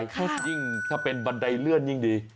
ถ้ายิ่งถ้าเป็นบันไดเลื่อนยิ่งดี